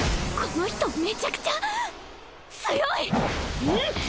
この人めちゃくちゃんっ！